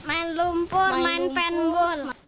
main lumpur main penbun